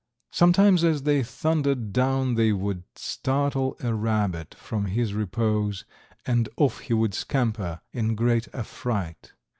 Sometimes as they thundered down they would startle a rabbit from his repose, and off he would scamper in great affright.